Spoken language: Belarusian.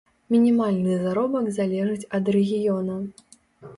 Мінімальны заробак залежыць ад рэгіёна.